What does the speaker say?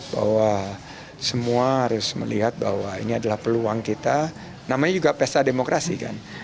bahwa semua harus melihat bahwa ini adalah peluang kita namanya juga pesta demokrasi kan